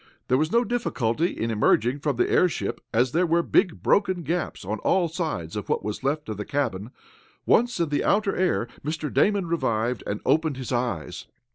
There was no difficulty in emerging from the airship as there were big, broken gaps, on all sides of what was left of the cabin. Once in the outer air Mr. Damon revived, and opened his eyes.